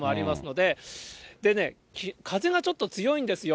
でね、風がちょっと強いんですよ。